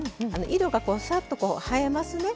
色がさっと映えますね。